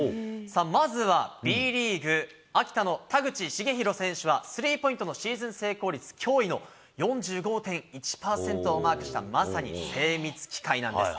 まずはＢリーグ・秋田の田口成浩選手は、スリーポイントのシーズン成功率驚異の４５．１％をマークした、まさに精密機械なんです。